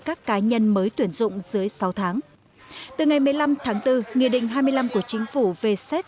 các cá nhân mới tuyển dụng dưới sáu tháng từ ngày một mươi năm tháng bốn nghị định hai mươi năm của chính phủ về xét